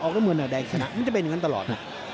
ออกกู้มือแดงชนะมันจะเป็นอย่างนั้นตลอด